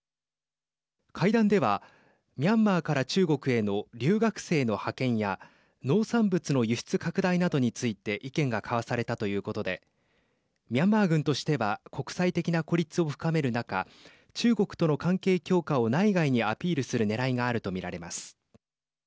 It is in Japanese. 会談ではミャンマーから中国への留学生の派遣や農産物の輸出拡大などについて意見が交わされたということでミャンマー軍としては国際的な孤立を深める中中国との関係強化を内外にアピールするねらいがあると見られます。